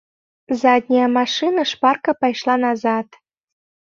Задняя машына шпарка пайшла назад.